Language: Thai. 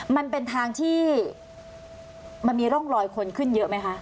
มันเป็นทางที่มันมีร่องรอยคนขึ้นเยอะไหมคะ